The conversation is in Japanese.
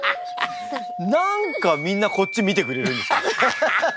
何かみんなこっち見てくれるんですよ。